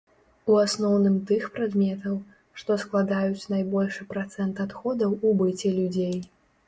У асноўным тых прадметаў, што складаюць найбольшы працэнт адходаў у быце людзей.